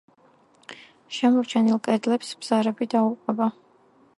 შემორჩენილ კედლებს ბზარები დაუყვება.